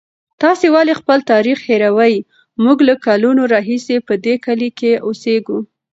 تاسې ولې خپل تاریخ هېروئ؟ موږ له کلونو راهیسې په دې کلي کې اوسېږو.